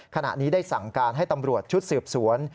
ขณะนี้ได้สั่งการให้ตำรวจชุดสืบสวน